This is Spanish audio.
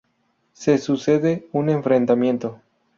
Se sucede un enfrentamiento.